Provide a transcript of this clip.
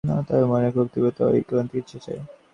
তবে মনের খুব তীব্রতা, ঐকান্তিক ইচ্ছা চাই।